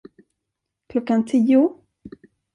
Klockan tio?